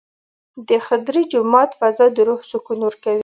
د خضري جومات فضا د روح سکون ورکوي.